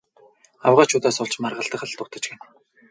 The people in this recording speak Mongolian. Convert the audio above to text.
Авгайчуудаас болж маргалдах л дутаж гэнэ.